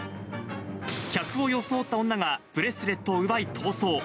客を装った女がブレスレットを奪い、逃走。